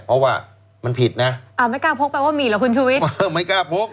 เพราะว่ามันผิดนะอ่าไม่กล้าพกแปลว่ามีเหรอคุณชุวิตเออไม่กล้าพก